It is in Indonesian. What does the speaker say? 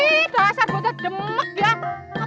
udah rasa bodoh demet dia